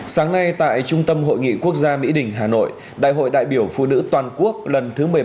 sáng nay tại trung tâm hội nghị quốc gia mỹ đình hà nội đại hội đại biểu phụ nữ toàn quốc lần thứ một mươi bảy